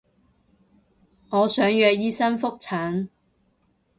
我想約醫生覆診